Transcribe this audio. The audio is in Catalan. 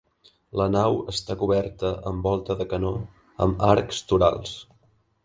La nau està coberta amb volta de canó amb arcs torals.